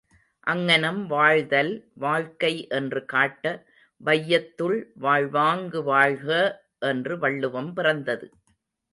அங்ஙனம் வாழ்தல் வாழ்க்கை என்று காட்ட, வையத்துள் வாழ்வாங்கு வாழ்க! என்று வள்ளுவம் பிறந்தது.